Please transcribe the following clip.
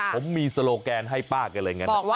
ผมมีสโลแกนให้ป้ากันเลย